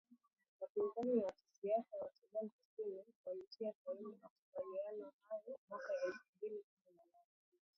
Wapinzani wa kisiasa wa Sudan Kusini walitia saini makubaliano hayo mwaka elfu mbili kumi na nane.